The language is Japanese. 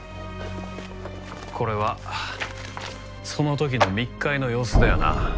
これはその時の密会の様子だよな？